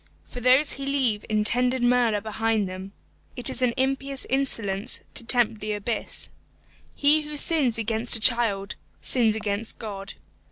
For those who leave intended murder behind them, it is an impious insolence to tempt the abyss. He who sins against a child, sins against God.